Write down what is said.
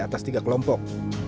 terdiri atas tiga kelompok